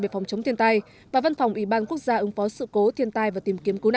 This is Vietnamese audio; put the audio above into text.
về phòng chống thiên tai và văn phòng ủy ban quốc gia ứng phó sự cố thiên tai và tìm kiếm cứu nạn